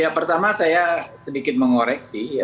ya pertama saya sedikit mengoreksi